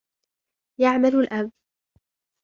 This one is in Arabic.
يعمل الأب.